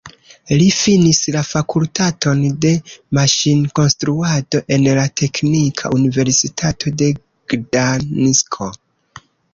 Li finis la Fakultaton de Maŝin-Konstruado en la Teknika Universitato de Gdansko.